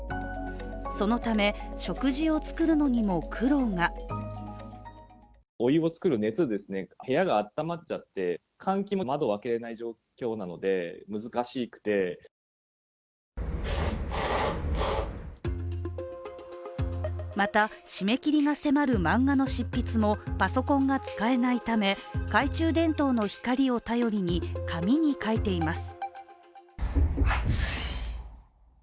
そのため、食事を作るのにも苦労がまた締め切りが迫る漫画の執筆もパソコンが使えないため懐中電灯の光を頼りに紙に描いています。